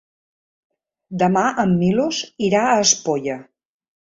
Demà en Milos irà a Espolla.